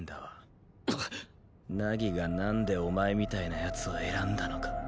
凪がなんでお前みたいな奴を選んだのか。